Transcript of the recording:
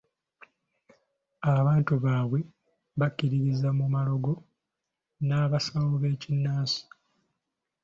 Abantu baabwe bakkiririza mu malogo n'abasawo b'ekinnansi.